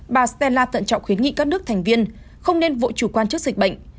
bà stella tận trọng khuyến nghị các nước thành viên không nên vội chủ quan trước dịch bệnh